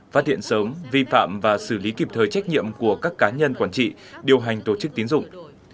phát hiện sớm vi phạm và xử lý kịp thời trách nhiệm của các cá nhân quản trị điều hành tổ chức tín dụng